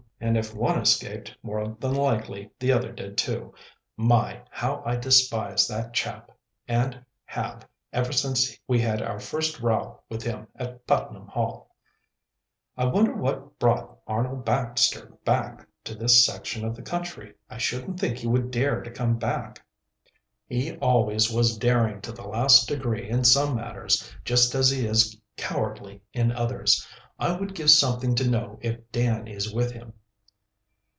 "And if one escaped more than likely the other did, too. My, how I despise that chap! and have, ever since we had our first row with him at Putnam Hall." "I wonder what brought Arnold Baxter back to this section of the country? I shouldn't think he would dare to come back." "He always was daring to the last degree in some matters, just as he is cowardly in others. I would give something to know if Dan is with him."